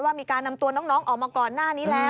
ว่ามีการนำตัวน้องออกมาก่อนหน้านี้แล้ว